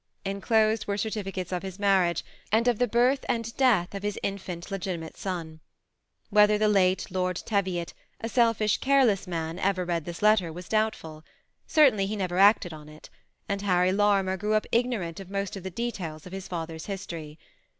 Enclosed were certificates of his marriage, and of the birth and death of his infant legitimate son. Whether the late Lord Teviot, a selfish, careless man, ever read this letter was doubtful. Certainly he never acted on it ; and Harry Lorimer grew up, ignorant of most of the details of his father's history.